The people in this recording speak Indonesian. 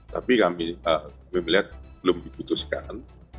tapi kami melihat belum diputuskan